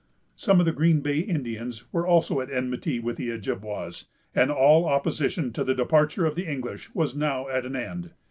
Some of the Green Bay Indians were also at enmity with the Ojibwas, and all opposition to the departure of the English was now at an end.